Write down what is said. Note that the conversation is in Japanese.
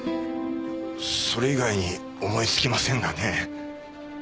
それ以外に思いつきませんがねえ。